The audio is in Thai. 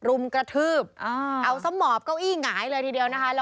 รุมกระทืบเอาซะหมอบเก้าอี้หงายเลยทีเดียวนะคะ